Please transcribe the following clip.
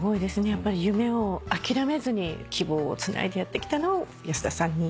やっぱり夢を諦めずに希望をつないでやってきたのを安田さんに。